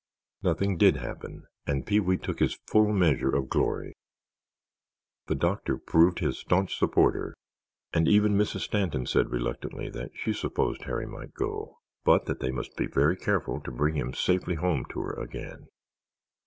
Nothing did happen, and Pee wee took his full measure of glory. The doctor proved his staunch supporter, and even Mrs. Stanton said reluctantly that she supposed Harry might go, but that they must be very careful to bring him safely home to her again.